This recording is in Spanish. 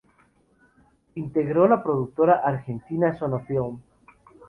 Integró la productora Argentina Sono Film.